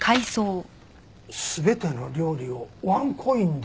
全ての料理をワンコインでですか？